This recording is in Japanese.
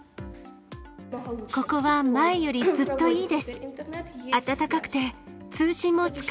ここは前よりずっといいです。